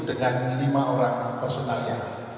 dengan lima orang personalnya